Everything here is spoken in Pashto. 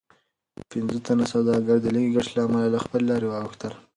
پنځه تنه سوداګر د لږې ګټې له امله له خپلې لارې واوښتل.